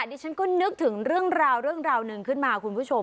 ดิฉันก็นึกถึงเรื่องราวเรื่องราวหนึ่งขึ้นมาคุณผู้ชม